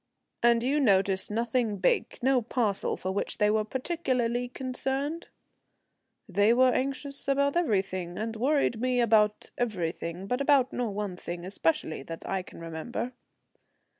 "And you noticed nothing big, no parcel for which they were particularly concerned?" "They were anxious about everything, and worried me about everything, but about no one thing especially that I can remember."